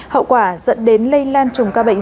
hậu quả dẫn đến lây lan trùng ca bệnh